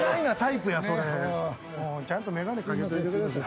ちゃんと眼鏡掛けといてください。